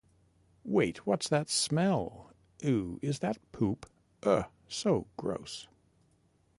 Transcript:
Wait, what's that smell? Ew, is that poop? Ugh, so gross.